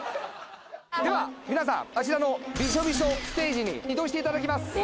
では皆さんあちらのびしょびしょステージに移動していただきます。